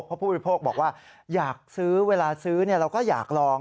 เพราะผู้บริโภคบอกว่าอยากซื้อเวลาซื้อเราก็อยากลอง